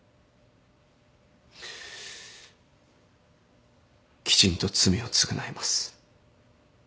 きちんと罪を償います。